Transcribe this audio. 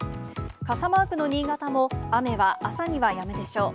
傘マークの新潟も、雨は朝にはやむでしょう。